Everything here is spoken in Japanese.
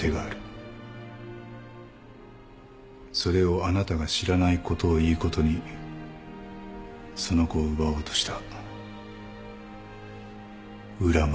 それをあなたが知らないことをいいことにその子を奪おうとした浦真は許されない。